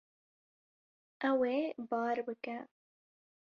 Ew ê bar bike.